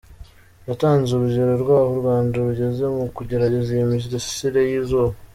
Yatanze urugero rw’aho u Rwanda rugeze mu kugerageza iyi mirasire y’izuba.